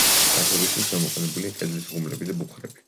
გათბობისთვის გამოყენებულია კედლის ღუმლები და ბუხრები.